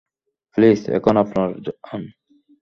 Please, এখন আপনার যান।